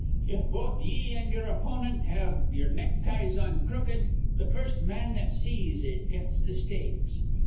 If both ye an' ye'er opponent have ye'er neckties on crooked, th' first man that sees it gets th' stakes.